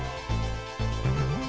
kita bikinnya banyak juga